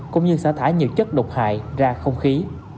cũng như xả thải nhiều chất độc hại ra không khí